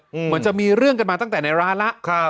เหมือนจะมีเรื่องกันมาตั้งแต่ในร้านแล้ว